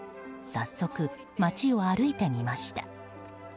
早速、町を歩いてみました。